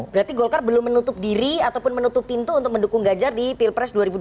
berarti golkar belum menutup diri ataupun menutup pintu untuk mendukung ganjar di pilpres dua ribu dua puluh